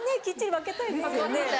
きっちり分けたいですよね。